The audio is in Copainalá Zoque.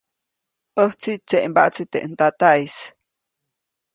ʼÄjtsi tseʼmbaʼtsi teʼ ntataʼis.